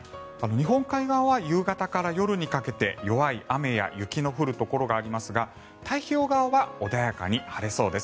日本海側は夕方から夜にかけて弱い雨や雪の降るところがありますが太平洋側は穏やかに晴れそうです。